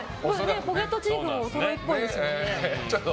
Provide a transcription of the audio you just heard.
ポケットチーフもおそろいっぽいですもんね。